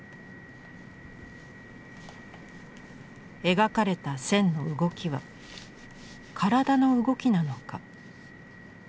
描かれた線の動きは身体の動きなのか？